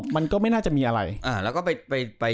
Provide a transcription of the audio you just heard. มันก็ไม่น่าจะมีอะไร